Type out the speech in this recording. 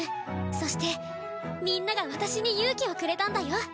そしてみんなが私に勇気をくれたんだよ。